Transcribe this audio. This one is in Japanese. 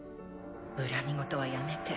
恨み言はやめて。